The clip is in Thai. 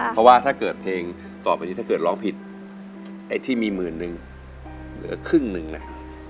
เพราะว่าถ้าเกิดเพลงต่อไปนี้ถ้าเกิดร้องผิดไอ้ที่มีหมื่นนึงเหลือครึ่งหนึ่งนะ